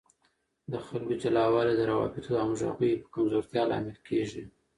د خلکو جلاوالی د روابطو او همغږۍ په کمزورتیا لامل کیږي.